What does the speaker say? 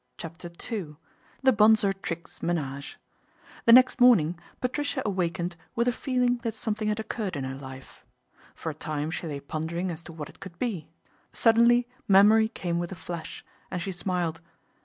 CHAPTER II THE BONSOR TRIGGS' MENAGE THE next morning Patricia awakened with a feeling that something had occurred in her life. For a time she lay pondering as to what it could be. Suddenly memory came with a flash, and she smiled.